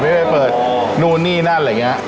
ไปเปิดนู่นนี่นั่นอะไรอย่างนี้